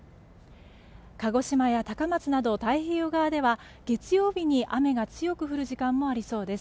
鹿児島や高松など、太平洋側では月曜日に雨が強く降る時間もありそうです。